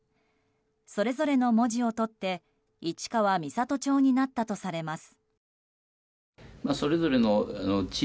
それぞれの文字を取って市川三郷町になったとされます。